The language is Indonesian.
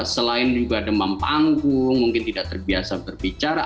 selain juga demam panggung mungkin tidak terbiasa berbicara